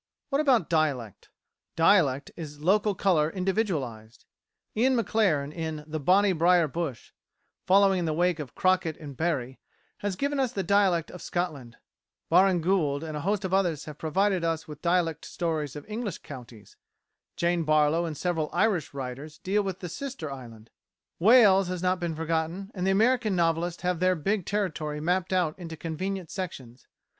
What About Dialect? Dialect is local colour individualised. Ian Maclaren, in "The Bonnie Brier Bush," following in the wake of Crockett and Barrie, has given us the dialect of Scotland: Baring Gould and a host of others have provided us with dialect stories of English counties; Jane Barlow and several Irish writers deal with the sister island; Wales has not been forgotten; and the American novelists have their big territory mapped out into convenient sections.